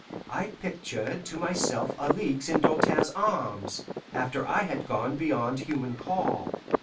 I pictured to myself Alixe in Doltaire's arms, after I had gone beyond human call.